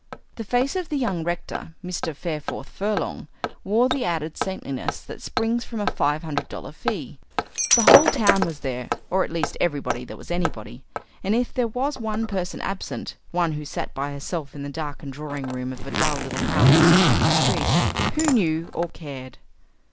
The face of the young rector, Mr. Fareforth Furlong, wore the added saintliness that springs from a five hundred dollar fee. The whole town was there, or at least everybody that was anybody; and if there was one person absent, one who sat by herself in the darkened drawing room of a dull little house on a shabby street, who knew or cared?